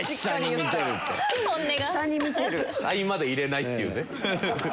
肺まで入れないっていうね。